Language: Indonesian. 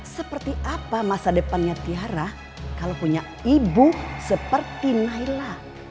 seperti apa masa depannya tiara kalau punya ibu seperti naila